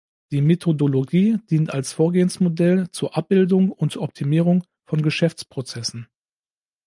Die Methodologie dient als Vorgehensmodell zur Abbildung und Optimierung von Geschäftsprozessen.